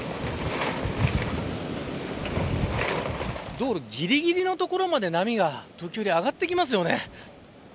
道路ぎりぎりの所まで波が上がってきますよね。